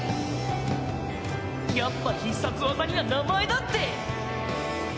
やっぱ必殺技には名前だって！